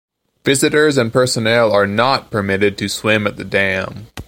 Visitors and personnel are not permitted to swim at the dam.